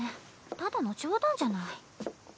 ただの冗談じゃない。